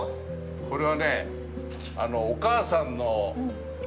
これはね。